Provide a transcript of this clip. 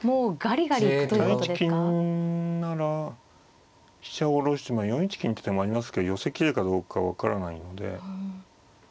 金なら飛車を下ろして４一金って手もありますけど寄せきれるかどうか分からないので。